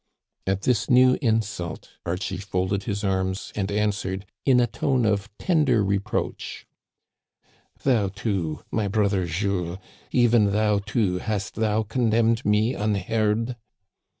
" At this new insult, Archie folded his arms and an swered, in a tone of tender reproach :" Thou, too, my brother Jules, even thou, too, hast thou condemned me unheard